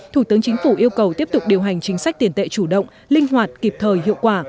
thủ tướng chính phủ yêu cầu tiếp tục điều hành chính sách tiền tệ chủ động linh hoạt kịp thời hiệu quả